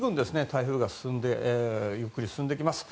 台風がゆっくり進んできます。